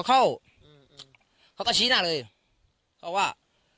เขาตัดชีวิตหน้าเลยให้กูว่า